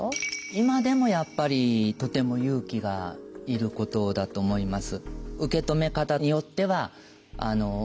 今でもやっぱりとても勇気がいることだと思います。